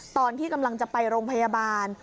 ตอนที่กำลังจะไปโรงพยาบาล